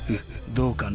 どうかな？